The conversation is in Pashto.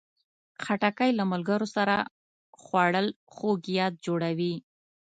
خټکی له ملګرو سره خوړل خوږ یاد جوړوي.